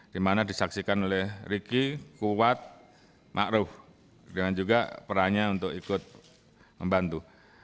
di mana disaksikan oleh ricky kuat ma'ruf dengan juga perannya untuk ikut membantu